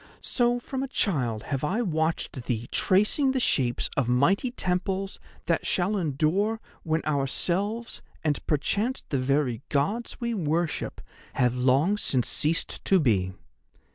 So from a child have I watched thee tracing the shapes of mighty temples that shall endure when ourselves, and perchance the very Gods we worship, have long since ceased to be.